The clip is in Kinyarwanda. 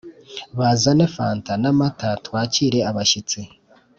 Bazane fanta n’amata twakire abashyitsi